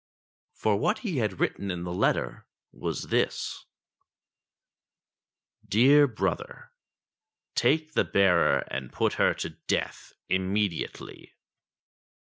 For what he had written in the letter was this : Dear Brother, Take the bearer and put her to death immediately."